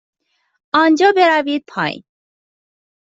آنجا بروید پایین.